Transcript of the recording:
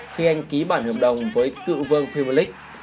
khi anh ký bản hợp đồng với cựu vương pimic